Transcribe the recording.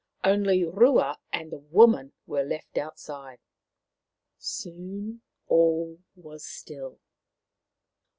Only Rua and the woman were left outside. Soon all was still.